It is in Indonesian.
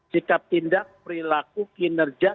sikap tindak perilaku kinerja